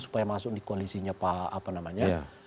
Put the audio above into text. supaya masuk di koalisinya pak apa namanya